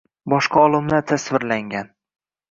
boshqa olimlar tasvirlangan.